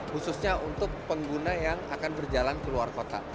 khususnya untuk pengguna yang akan berjalan ke luar kota